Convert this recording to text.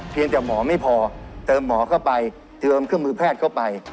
แต่หมอไม่พอเติมหมอเข้าไปเติมเครื่องมือแพทย์เข้าไป